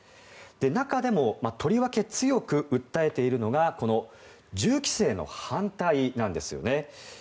中でもとりわけ強く訴えているのがこの銃規制の反対なんですね。